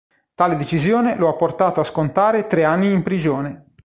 Tale decisione lo ha portato a scontare tre anni in prigione.